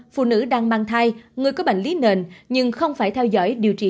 phụ nữ đang mang thai người có bệnh lý nền nhưng không phải theo dõi điều trị